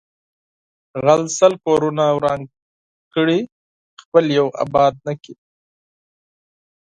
غل د سل کورونه وران کړي خپل یو آباد نکړي